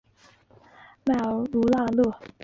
迈尔河畔卢热。